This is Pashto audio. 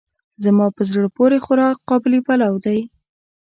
زما په زړه پورې خوراک قابلي پلو دی.